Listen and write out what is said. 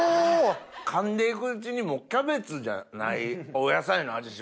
かんで行くうちにキャベツじゃないお野菜の味しますよ。